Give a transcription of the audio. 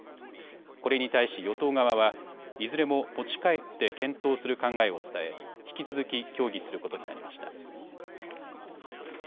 これに対し与党側はいずれも持ち帰って検討する考えを伝え引き続き協議することになりました。